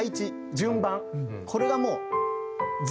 順番これがもう。